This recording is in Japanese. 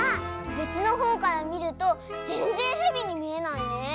べつのほうからみるとぜんぜんヘビにみえないね。